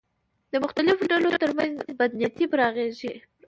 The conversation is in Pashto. د مختلفو ډلو تر منځ بدنیتۍ پراخېږي